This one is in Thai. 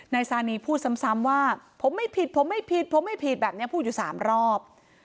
ซานีพูดซ้ำว่าผมไม่ผิดผมไม่ผิดผมไม่ผิดแบบนี้พูดอยู่๓รอบ